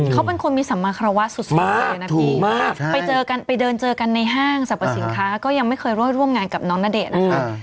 เขาเป็นคนมีสัมมาครวาศสุดไปเดินเจอกันในห้างสรรพสินค้าก็ยังไม่เคยร่วมงานกับน้องนาเดะนะคะ